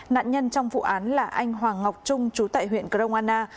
nạn nhân trong vụ án là anh hoàng ngọc trung trú tại huyện crong anna